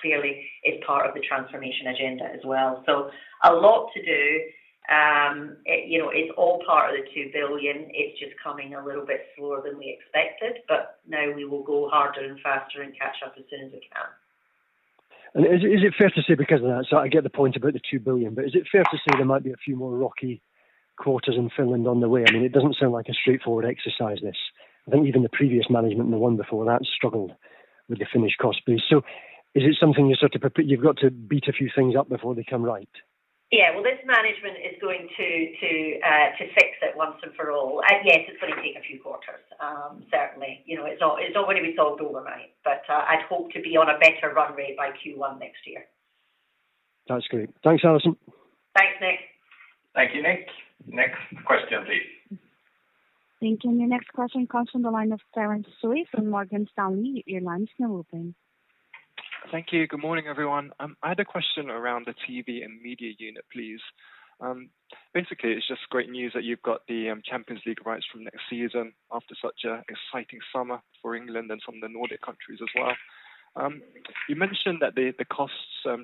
clearly is part of the transformation agenda as well. A lot to do. It's all part of the 2 billion. It's just coming a little bit slower than we expected, but now we will go harder and faster and catch up as soon as we can. Is it fair to say because of that? I get the point about the 2 billion, but is it fair to say there might be a few more rocky quarters in Finland on the way? It doesn't sound like a straightforward exercise, this. I think even the previous management and the one before that struggled with the Finnish cost base. Is it something you've got to beat a few things up before they come right? Yeah. Well, this management is going to fix it once and for all. Yes, it's going to take a few quarters, certainly. It's not going to be solved overnight. I'd hope to be on a better run rate by Q1 next year. That's great. Thanks, Allison. Thanks, Nick. Thank you, Nick. Next question, please. Thank you. The next question comes from the line of Terence Tsui from Morgan Stanley. Your line is now open. Thank you. Good morning, everyone. I had a question around the TV and media unit, please. Basically, it's just great news that you've got the Champions League rights from next season after such an exciting summer for England and some of the Nordic countries as well. You mentioned that the costs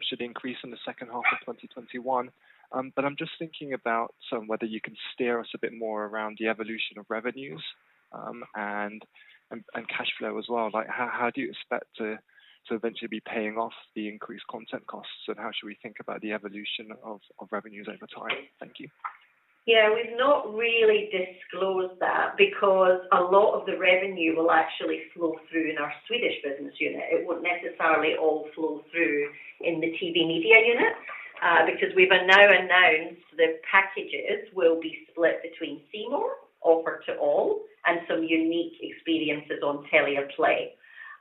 should increase in the second half of 2021. I'm just thinking about whether you can steer us a bit more around the evolution of revenues and cash flow as well. How do you expect to eventually be paying off the increased content costs, and how should we think about the evolution of revenues over time? Thank you. We've not really disclosed that because a lot of the revenue will actually flow through in our Swedish business unit. It won't necessarily all flow through in the TV media unit. We've now announced the packages will be split between C More, offered to all, and some unique experiences on Telia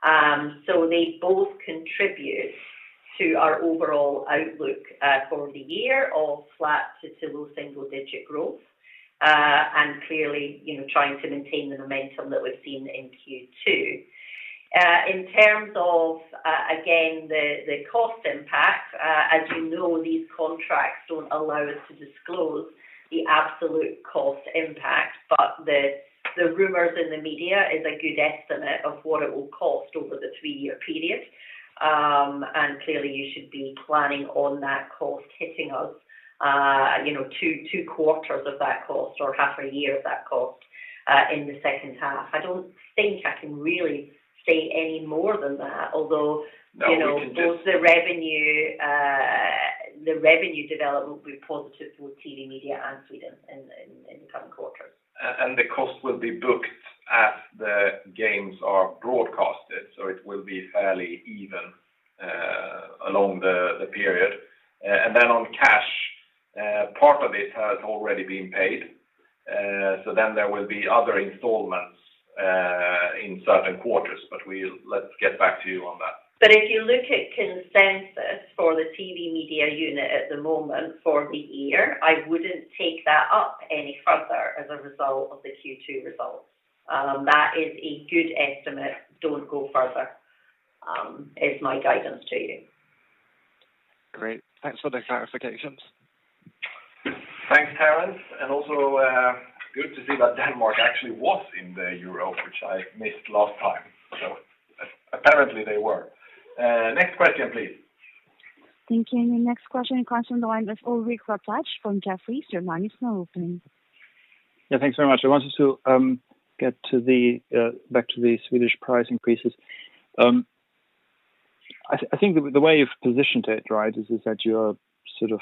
Play. They both contribute to our overall outlook for the year of flat to low single-digit growth, and clearly, trying to maintain the momentum that we've seen in Q2. In terms of, again, the cost impact, as you know, these contracts don't allow us to disclose the absolute cost impact, but the rumors in the media is a good estimate of what it will cost over the three-year period. Clearly, you should be planning on that cost hitting us two quarters of that cost or half a year of that cost in the second half. I don't think I can really say any more than that. No, you can. both the revenue development will be positive for TV media and Sweden in the coming quarters. The cost will be booked as the games are broadcasted, so it will be fairly even along the period. On cash, part of it has already been paid. There will be other installments in certain quarters, but let's get back to you on that. If you look at consensus for the TV media unit at the moment for the year, I wouldn't take that up any further as a result of the Q2 results. That is a good estimate. Don't go further is my guidance to you. Great. Thanks for the clarifications. Thanks, Terence. Also, good to see that Denmark actually was in the Euro, which I missed last time. Apparently they were. Next question, please. Thank you. The next question comes from the line of Ulrich Rathe from Jefferies. Your line is now open. Yeah, thanks very much. I wanted to get back to the Swedish price increases. I think the way you've positioned it, right, is that you're sort of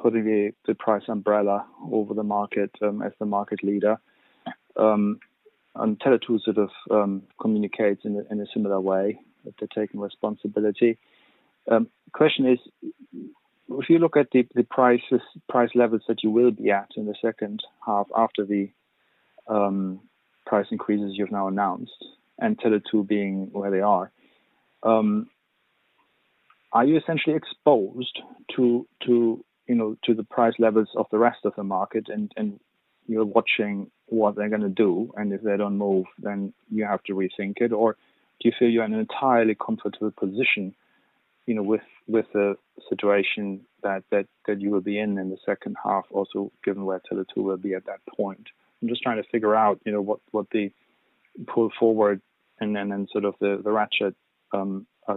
putting the price umbrella over the market, as the market leader. Tele2 sort of communicates in a similar way, that they're taking responsibility. Question is, if you look at the price levels that you will be at in the second half after the price increases you've now announced, and Tele2 being where they are you essentially exposed to the price levels of the rest of the market and you're watching what they're going to do, and if they don't move, then you have to rethink it? Do you feel you're in an entirely comfortable position with the situation that you will be in in the second half, also given where Tele2 will be at that point? I'm just trying to figure out what the pull forward and then sort of the ratchet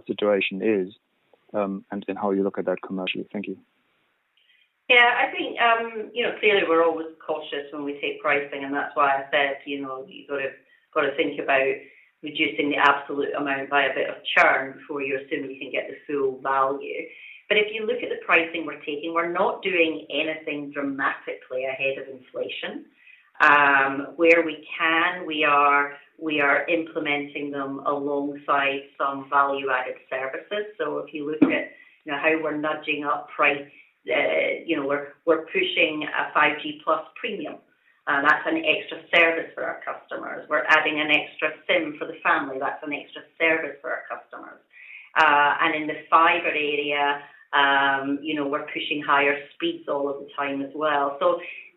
situation is, and how you look at that commercially. Thank you. Yeah, I think clearly we're always cautious when we take pricing, and that's why I said you've got to think about reducing the absolute amount by a bit of churn before you assume you can get the full value. If you look at the pricing we're taking, we're not doing anything dramatically ahead of inflation. Where we can, we are implementing them alongside some value-added services. If you look at how we're nudging up price, we're pushing a 5G+. That's an extra service for our customers. We're adding an extra SIM for the family. That's an extra service for our customers. In the fiber area, we're pushing higher speeds all of the time as well.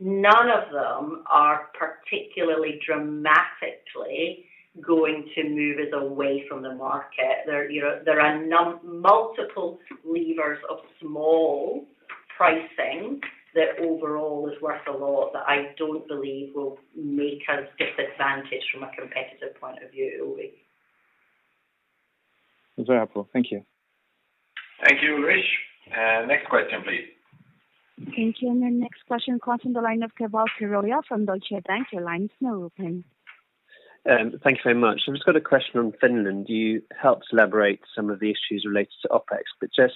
None of them are particularly dramatically going to move us away from the market. There are multiple levers of small pricing that overall is worth a lot that I don't believe will make us disadvantaged from a competitive point of view, Ulrich. It's very helpful. Thank you. Thank you, Ulrich. Next question, please. Thank you. The next question comes from the line of Keval Khiroya from Deutsche Bank. Your line is now open. Thank you very much. I've just got a question on Finland. You helped elaborate some of the issues related to OpEx, but just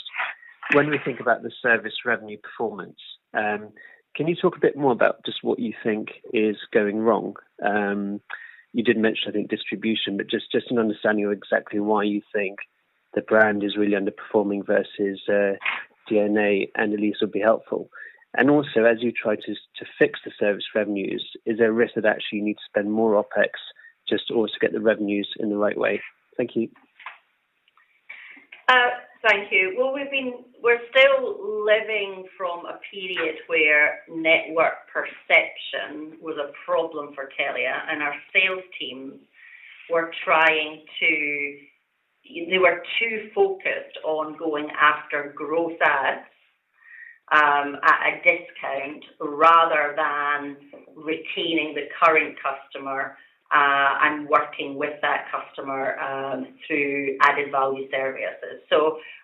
when we think about the service revenue performance, can you talk a bit more about just what you think is going wrong? You did mention, I think, distribution, but just to understand exactly why you think the brand is really underperforming versus DNA and Elisa would be helpful. Also, as you try to fix the service revenues, is there a risk that actually you need to spend more OpEx just to also get the revenues in the right way? Thank you. Thank you. Well, we're still living from a period where network perception was a problem for Telia, and our sales teams, they were too focused on going after growth adds at a discount rather than retaining the current customer and working with that customer through added value services.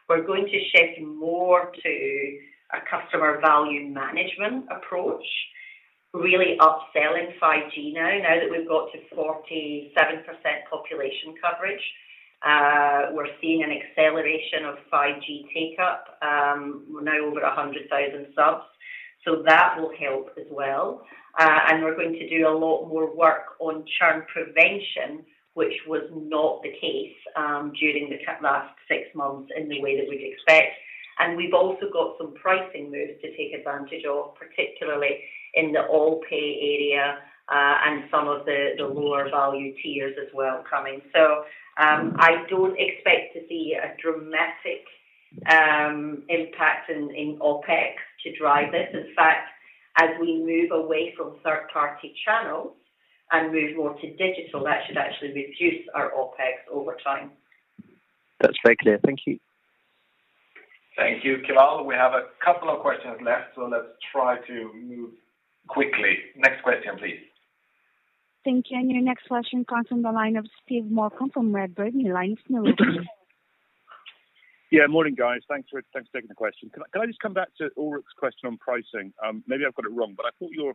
We're going to shift more to a customer value management approach, really upselling 5G now. Now that we've got to 47% population coverage, we're seeing an acceleration of 5G take-up. We're now over 100,000 subs, so that will help as well. We're going to do a lot more work on churn prevention, which was not the case during the last six months in the way that we'd expect. We've also got some pricing moves to take advantage of, particularly in the all-pay area, and some of the lower value tiers as well coming. I don't expect to see a dramatic impact in OpEx to drive this. In fact, as we move away from third-party channels and move more to digital, that should actually reduce our OpEx over time. That's very clear. Thank you. Thank you, Keval. We have a couple of questions left, so let's try to move quickly. Next question, please. Thank you. Your next question comes from the line of Steve Malcolm from Redburn. Your line is now open. Yeah, morning, guys. Thanks for taking the question. Could I just come back to Ulrich's question on pricing? Maybe I've got it wrong, I thought your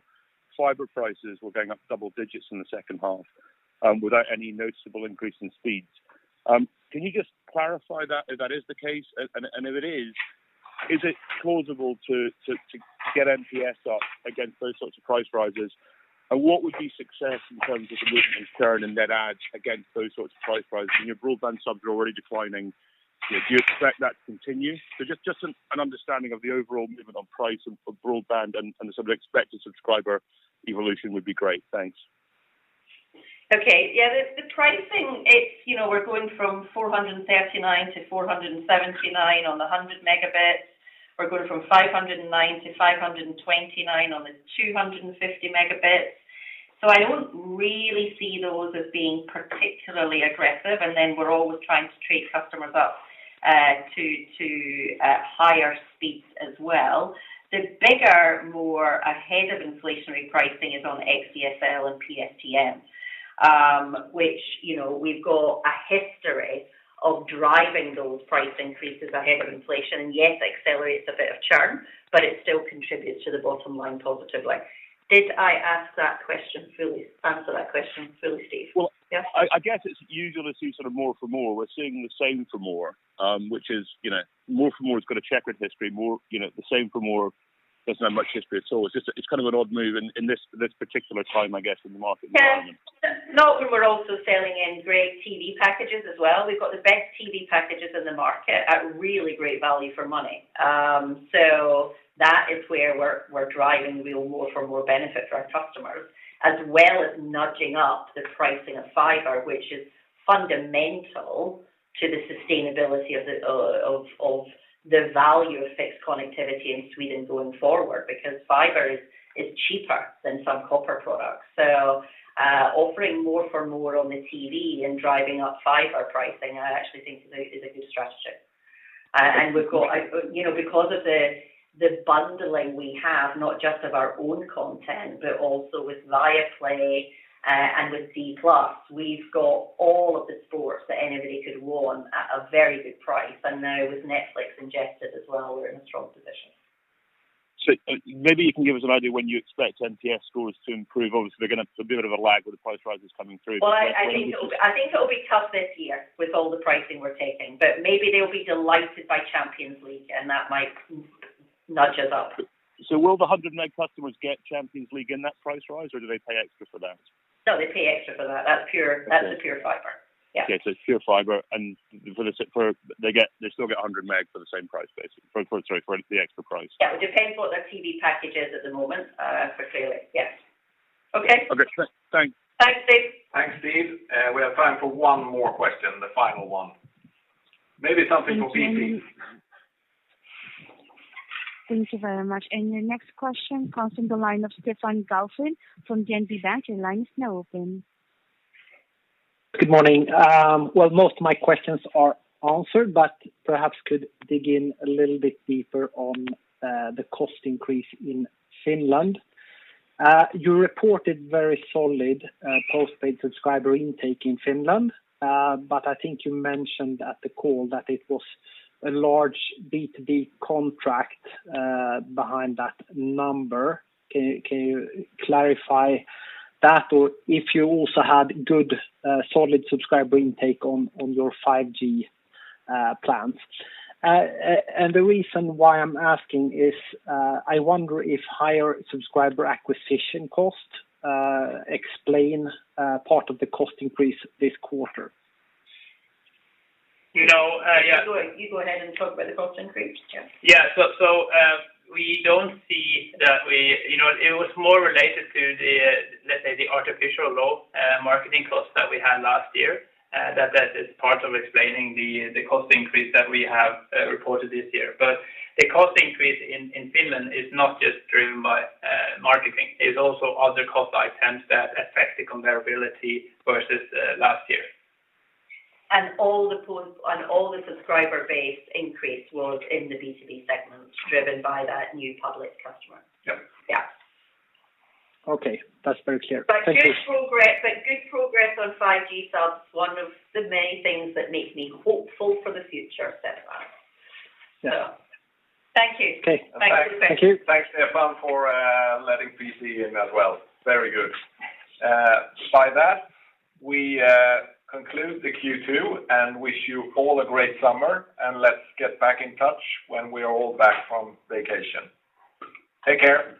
fiber prices were going up double-digit in the second half without any noticeable increase in speeds. Can you just clarify that if that is the case? If it is it plausible to get NPS up against those sorts of price rises? What would be success in terms of the movement in churn and net adds against those sorts of price rises? When your broadband subs are already declining, do you expect that to continue? Just an understanding of the overall movement on price for broadband and the sort of expected subscriber evolution would be great. Thanks. Okay. Yeah, the pricing. We're going from 439-479 on 100 MB. We're going from 509-529 on the 250 MB. I don't really see those as being particularly aggressive. We're always trying to trade customers up to higher speeds as well. The bigger, more ahead of inflationary pricing is on XDSL and PSTN, which we've got a history of driving those price increases ahead of inflation. Yes, accelerates a bit of churn, but it still contributes to the bottom line positively. Did I answer that question fully, Steve? Yeah. Well, I guess it's usual to see more for more. We're seeing the same for more, which is more for more has got a check with history. The same for more doesn't have much history at all. It's kind of an odd move in this particular time, I guess, in the market we're in? Yeah. No, we were also selling in great TV packages as well. We've got the best TV packages in the market at really great value for money. That is where we're driving real more for more benefit for our customers, as well as nudging up the pricing of fiber, which is fundamental to the sustainability of the value of fixed connectivity in Sweden going forward, because fiber is cheaper than some copper products. Offering more for more on the TV and driving up fiber pricing, I actually think is a good strategy. Because of the bundling we have, not just of our own content, but also with Viaplay, and with C More, we've got all of the sports that anybody could want at a very good price. Now with Netflix ingested as well, we're in a strong position. Maybe you can give us an idea when you expect NPS scores to improve? Obviously, they're going to be a bit of a lag with the price rises coming through. Well, I think it'll be tough this year with all the pricing we're taking, but maybe they'll be delighted by Champions League, and that might nudge us up. Will the 100 meg customers get Champions League in that price rise, or do they pay extra for that? No, they pay extra for that. That's a pure fiber. Yeah. Okay. It's pure fiber, and they still get 100 meg for the same price, basically. Sorry, for the extra price. Yeah. It depends what their TV package is at the moment, for clearly, yes. Okay. Okay. Thanks. Thanks, Steve. Thanks, Steve. We have time for one more question, the final one. Maybe something for PC. Thank you very much. Your next question comes from the line of Stefan Gauffin from DNB Markets. Your line is now open. Good morning. Well, most of my questions are answered, but perhaps could dig in a little bit deeper on the cost increase in Finland. You reported very solid postpaid subscriber intake in Finland. I think you mentioned at the call that it was a large B2B contract behind that number. Can you clarify that? If you also had good solid subscriber intake on your 5G plans. The reason why I am asking is, I wonder if higher subscriber acquisition costs explain part of the cost increase this quarter. You go ahead and talk about the cost increase, Jens. Yeah. We don't see that. It was more related to, let's say, the artificial low marketing costs that we had last year. That is part of explaining the cost increase that we have reported this year. The cost increase in Finland is not just driven by marketing. It's also other cost items that affect the comparability versus last year. All the subscriber base increase was in the B2B segment driven by that new public customer. Yeah. Yeah. Okay. That's very clear. Thank you. Good progress on 5G subs, one of the many things that make me hopeful for the future, Stefan. Yeah. Thank you. Okay. Thank you. Thanks, Stefan Gauffin, for letting PC in as well. Very good. By that, we conclude the Q2 and wish you all a great summer, and let's get back in touch when we are all back from vacation. Take care.